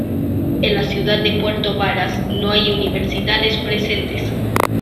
En la ciudad de Puerto Varas, no hay universidades presentes.